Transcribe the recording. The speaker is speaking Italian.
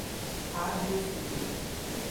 Ha due figli.